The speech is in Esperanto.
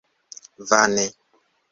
Vane.